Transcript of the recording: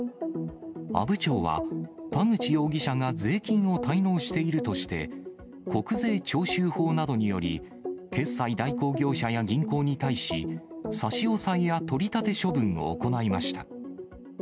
阿武町は、田口容疑者が税金を滞納しているとして、国税徴収法などにより、決済代行業者や銀行に対し、差し押さえや取り立て処分を行いました。